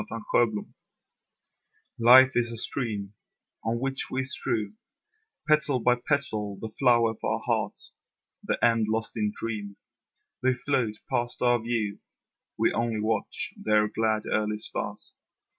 Petals Life is a stream On which we strew Petal by petal the flower of our heart; The end lost in dream, They float past our view, We only watch their glad, early start.